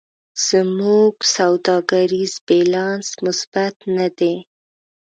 زموږ سوداګریز بیلانس مثبت نه دی.